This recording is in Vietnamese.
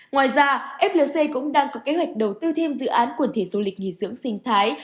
ngoài ra flc cũng đang có kế hoạch đầu tư thêm dự án quần thể du lịch nghỉ dưỡng sinh thái